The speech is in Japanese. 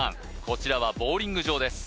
こちらはボウリング場です